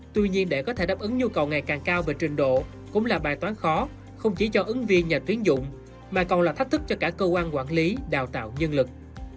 tuy nhiên để có thể đáp ứng nhu cầu ngày càng cao về trình độ cũng là bài toán khó không chỉ cho ứng viên nhà tuyến dụng mà còn là thách thức cho cả cơ quan quản lý đào tạo nhân lực